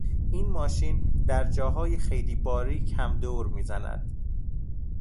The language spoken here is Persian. این ماشین در جاهای خیلی باریک هم دور میزند.